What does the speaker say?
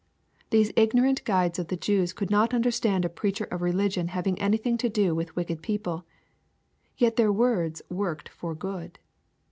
These ignorant guides of the Jews could not understand a preacher of religion having anything to do with wicked people ! Yet their "words worked for good.